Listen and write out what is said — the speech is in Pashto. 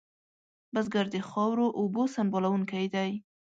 بزګر د خاورو اوبو سنبالونکی دی